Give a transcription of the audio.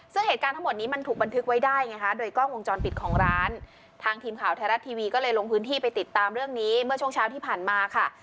ซึ่งเหตุการณ์ทั้งหมดนี้มันถูกบันทึกไว้ได้ไงคะโดยกล้องวงจรปิดของร้านทางทีมข่าวไทยรัฐทีวีก็เลยลงพื้นที่ไปติดตามเรื่องนี้เมื่อช่วงเช้าที่ผ่านมาค่ะ